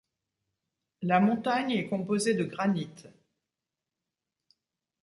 La montagne est composée de granite.